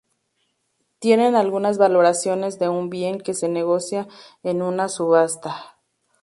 Tienen algunas valoraciones de un bien que se negocia en una subasta.